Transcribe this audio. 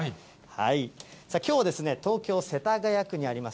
きょうは、東京・世田谷区にあります